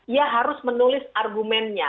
ia harus menulis argumennya